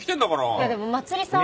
いやでもまつりさんは。